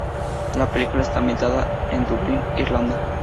La película está ambientada en Dublín, Irlanda.